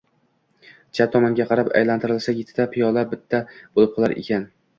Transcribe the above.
Chap tomonga qarab aylantirilsa yettita piyola bitta bo‘lib qolar ekan